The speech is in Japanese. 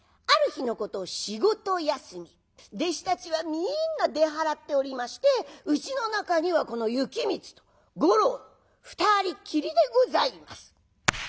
ある日のこと仕事休み弟子たちはみんな出払っておりましてうちの中にはこの行光と五郎２人きりでございます。